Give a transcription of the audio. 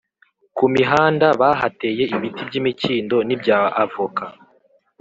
Kumihanda bahateye ibiti by’imikindo nibya avoka